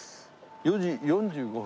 ４時４５分？